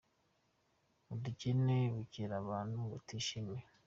Ubukene butera abantu kutishima.